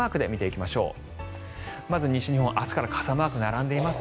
まず西日本、明日から雨マークが並んでいます。